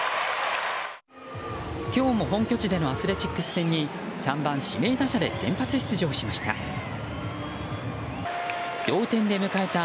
今日も本拠地でのアスレチックス戦に３番指名打者で先発出場しました。